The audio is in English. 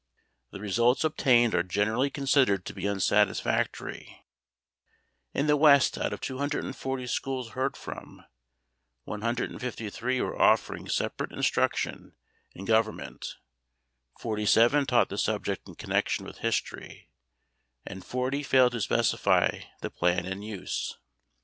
The results obtained are generally considered to be unsatisfactory. In the West out of 240 schools heard from, 153 were offering separate instruction in Government, 47 taught the subject in connection with History, and 40 failed to specify the plan in use.